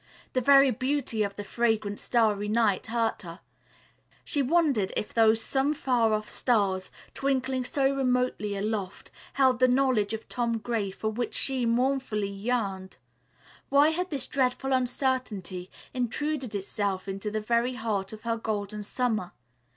The very beauty of the fragrant, starry night hurt her. She wondered if those some far off stars, twinkling so remotely aloft, held the knowledge of Tom Gray for which she mournfully yearned. Why had this dreadful uncertainty intruded itself into the very heart of her Golden Summer?